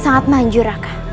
sangat manjur raka